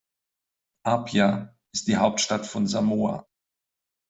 Apia ist die Hauptstadt von Samoa.